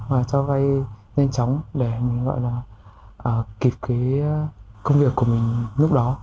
và cho vay nhanh chóng để mình gọi là kịp cái công việc của mình lúc đó